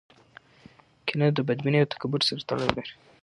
کینه د بدبینۍ او تکبر سره تړاو لري.